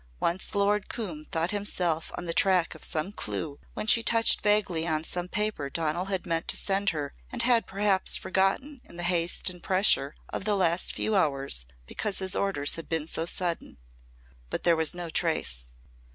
Once Lord Coombe thought himself on the track of some clue when she touched vaguely on some paper Donal had meant to send her and had perhaps forgotten in the haste and pressure of the last few hours because his orders had been so sudden. But there was no trace.